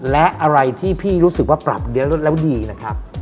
และอะไรที่พี่รู้สึกว่าปรับเยอะลดแล้วดีนะครับ